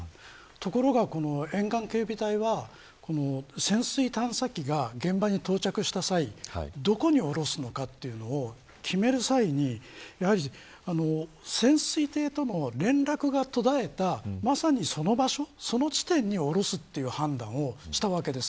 ところが沿岸警備隊は潜水探査機が現場に到着した際にどこに降ろすのかというのを決める際に潜水艇との連絡が途絶えたまさに、その地点に降ろすという判断をしたわけです。